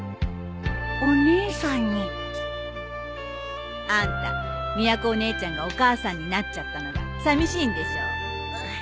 お姉さんにあんたみやこお姉ちゃんがお母さんになっちゃったのがさみしいんでしょ？